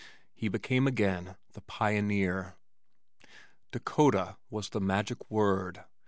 He became again the pioneer. DAKOTA was the magic word.